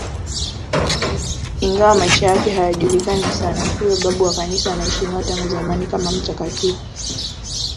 Ingawa maisha yake hayajulikani sana, huyo babu wa Kanisa anaheshimiwa tangu zamani kama mtakatifu.